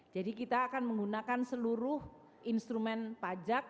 jadi kita akan menggunakan seluruh instrumen pajak